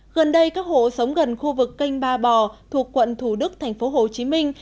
gần đây các hộ sống gần khu vực kênh ba bò thuộc quận thủ đức thành phố hồ chí minh